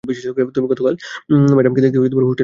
তুমি গতকাল ম্যাডামকে দেখতে হোস্টেলের পিছনে এসেছিলে?